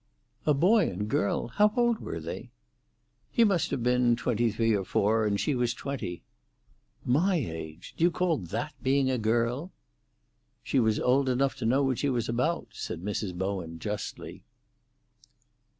"A boy and girl! How old were they?" "He must have been twenty three or four, and she was twenty." "My age! Do you call that being a girl?" "She was old enough to know what she was about," said Mrs. Bowen justly.